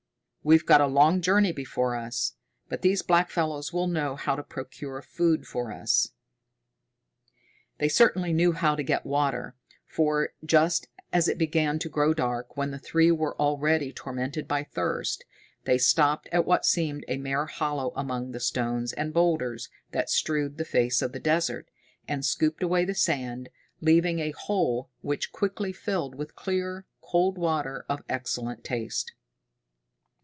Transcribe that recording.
We've got a long journey before us, but these blackfellows will know how to procure food for us." They certainly knew how to get water, for, just as it began to grow dark, when the three were already tormented by thirst, they stopped at what seemed a mere hollow among the stones and boulders that strewed the face of the desert, and scooped away the sand, leaving a hole which quickly filled with clear, cold water of excellent taste.